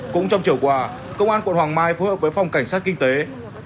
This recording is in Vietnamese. cũng trong chiều qua công an quận hoàng mai phối hợp với phòng cảnh sát kinh tế